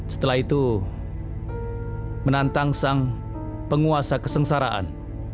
setelah itu menantang sang penguasa kesengsaraan